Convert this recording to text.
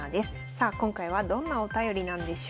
さあ今回はどんなお便りなんでしょうか。